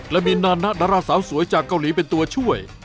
และมีนานะดาราสาวสวยจากเกาหลีเป็นตัวช่วย